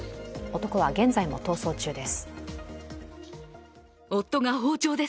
男は現在も逃走中です。